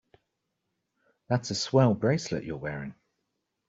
That's a swell bracelet you're wearing.